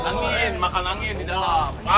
angin makan angin di dalam